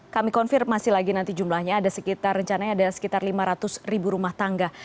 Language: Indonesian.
kami konfirmasi lagi nanti jumlahnya ada sekitar rencananya ada sekitar lima ratus ribu rumah tangga